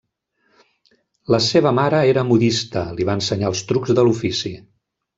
La seva mare era modista, li va ensenyar els trucs de l'ofici.